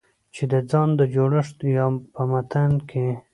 چې د ځان د جوړښت يا په متن کې